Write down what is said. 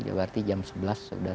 berarti jam sebelas sudah